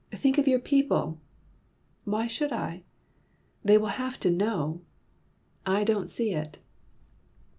Think of your people!" "Why should I?" "They will have to know." "I don't see it."